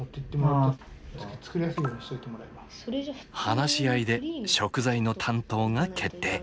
話し合いで食材の担当が決定。